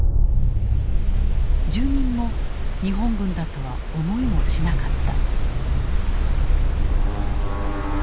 住民も日本軍だとは思いもしなかった。